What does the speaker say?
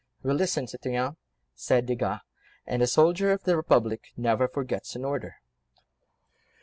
"We listen, citoyen," said Desgas, "and a soldier of the Republic never forgets an order."